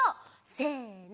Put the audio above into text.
せの。